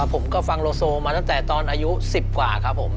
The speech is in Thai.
ผมก็ฟังโลโซมาตั้งแต่ตอนอายุ๑๐กว่าครับผม